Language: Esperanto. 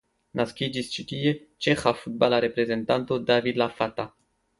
Naskiĝis ĉi tie ĉeĥa futbala reprezentanto David Lafata.